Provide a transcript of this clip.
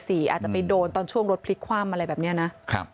อาจจะไปโดนตอนช่วงรถพลิกคว่ำอะไรแบบนี้นะ